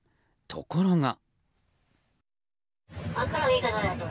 ところが。